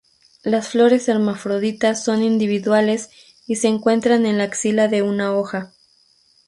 Las flores hermafroditas son individuales y se encuentran en la axila de una hoja.